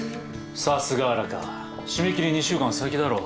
さすが荒川締め切り２週間先だろ。